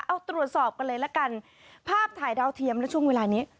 เอาตรวจสอบกันเลยละกันภาพถ่ายดาวเทียมและช่วงเวลานี้